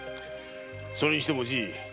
それにしてもじい。